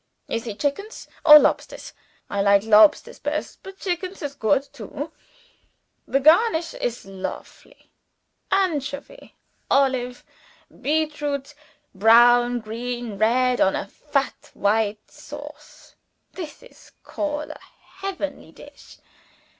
Is he chickens or lobsters? I like lobsters best, but chickens is goot too. The garnish is lofely anchovy, olive, beetroots; brown, green, red, on a fat white sauce! This I call a heavenly dish.